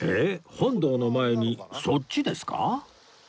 本堂の前にそっちですか？